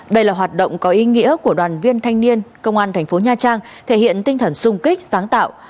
đây là hoạt động có ý nghĩa của đoàn viên thanh niên công an thành phố nha trang thể hiện tinh thần sung kích sáng tạo